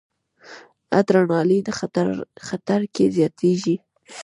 ادرانالین خطر کې زیاتېږي.